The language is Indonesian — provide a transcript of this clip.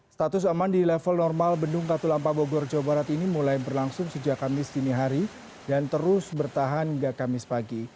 status aman di level normal bendung katulampa bogor jawa barat ini mulai berlangsung sejak kamis dini hari dan terus bertahan hingga kamis pagi